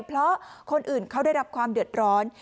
คนขี่มอเตอร์ไซค์ได้รับบาดเจ็บ